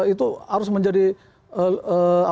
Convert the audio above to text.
itu harus menjadi apa namanya